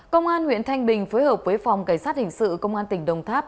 công an huyện thanh bình phối hợp với phòng cảnh sát hình sự công an tỉnh đồng tháp